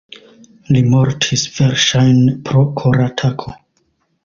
Li mortis verŝajne pro koratako.